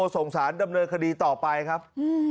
ส่งสารดำเนินคดีต่อไปครับ